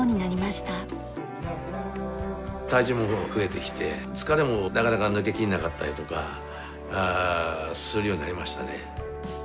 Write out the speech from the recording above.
体重も増えてきて疲れもなかなか抜けきれなかったりとかするようになりましたね。